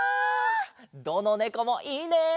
どのねこもいいね！